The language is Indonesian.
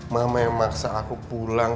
mama yang maksa aku pulang